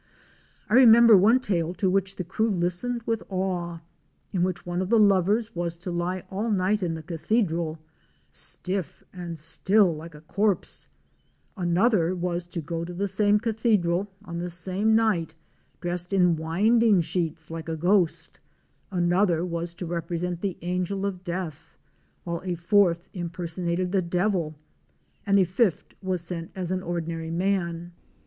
I remember one tale to which the crew listened with awe; in which one of the lovers was to lie all night in the cathedral, stiff and still like a corpse; another was to go to the same cathedral on the same night dressed in winding sheets like a ghost; another was to represent the angel of death, while a fourth impersonated the devil; and a fifth was sent as an ordinary man.